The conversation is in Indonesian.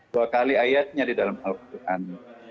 dua kali ayatnya di dalam al quran